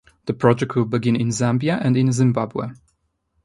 The project will begin in Zambia and in Zimbabwe.